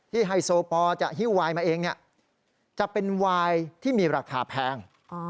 ไฮโซปอลจะฮิ้วไวน์มาเองจะเป็นวายที่มีราคาแพง